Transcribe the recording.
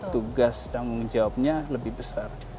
tugas tanggung jawabnya lebih besar